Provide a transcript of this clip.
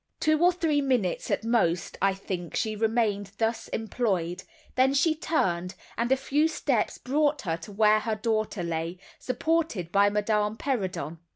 Two or three minutes at most I think she remained thus employed, then she turned, and a few steps brought her to where her daughter lay, supported by Madame Perrodon.